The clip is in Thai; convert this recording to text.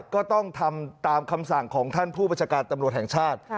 ก็ต้องทำตามคำสั่งของท่านผู้บัญชาการตำรวจแห่งชาติ